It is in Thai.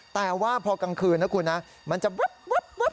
แต่ว่าพอกลางคืนนะคุณนะมันจะวับ